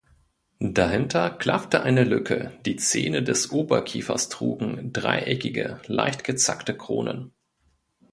Dahinter klaffte eine Lücke, die Zähne des Oberkiefers trugen dreieckige, leicht gezackte Kronen.